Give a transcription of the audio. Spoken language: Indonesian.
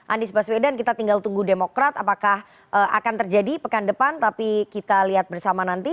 anies baswedan kita tinggal tunggu demokrat apakah akan terjadi pekan depan tapi kita lihat bersama nanti